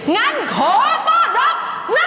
งั้นขอต้อนรับ